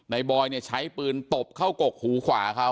บอยเนี่ยใช้ปืนตบเข้ากกหูขวาเขา